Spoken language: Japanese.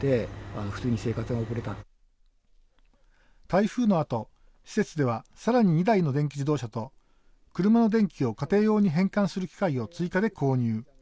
台風のあと、施設ではさらに２台の電気自動車と車の電気を家庭用に変換する機械を追加で購入。